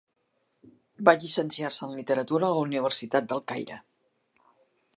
Va llicenciar-se en literatura a la Universitat del Caire.